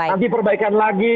nanti perbaikan lagi